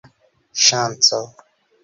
ŝanco